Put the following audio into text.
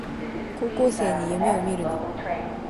高校生に夢をみるな